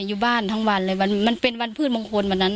อยู่บ้านทั้งวันเลยวันมันเป็นวันพืชมงคลวันนั้น